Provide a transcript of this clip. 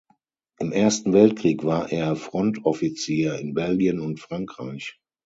Im Ersten Weltkrieg war er Frontoffizier in Belgien und Frankreich.